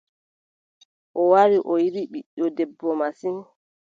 O wari a yiɗi ɓiɗɗo debbo masin.